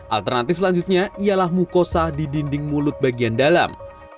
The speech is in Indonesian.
alternatif selanjutnya ialah mukosa di dinding mulut bagian dalam